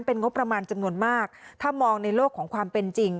เป็นงบประมาณจำนวนมากถ้ามองในโลกของความเป็นจริง